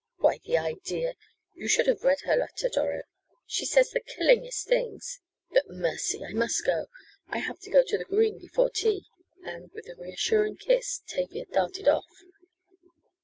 "Why the idea! You should have read her letter, Doro. She says the killingest things But mercy, I must go. I have to go to the Green before tea," and, with a reassuring kiss, Tavia darted off.